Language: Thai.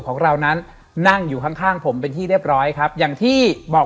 ของเรานั้นนั่งอยู่ข้างข้างผมเป็นที่เรียบร้อยครับอย่างที่บอก